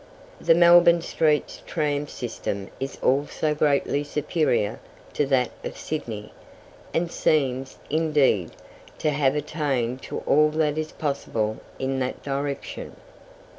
The Melbourne street tram system is also greatly superior to that of Sydney, and seems, indeed, to have attained to all that is possible in that direction.